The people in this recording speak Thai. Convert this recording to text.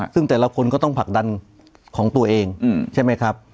ซึ่งแต่ละคนก็ต้องผลักดันของตัวเองใช่ไหมครับ